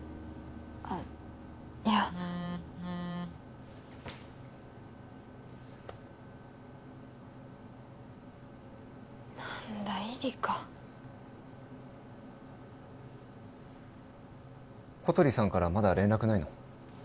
あっいや何だ依里か小鳥さんからまだ連絡ないの？